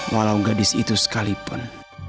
walau gadis itu sekalipun